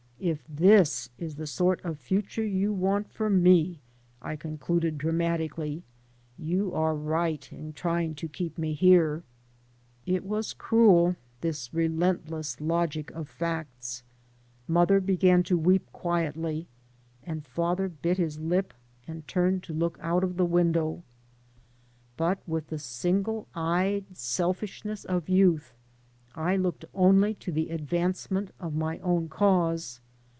*'If this is the sort of future you want for me," I con cluded, dramatically, "you are right in trying to keep me here." It was cruel, this relentless logic of facts. Mother began to weep quietly, and father bit his lip and turned 49 AN AMERICAN IN THE MAKING to look out of the window. But with the single*eyed selfishness of youth I looked only to the advancement of my own cause.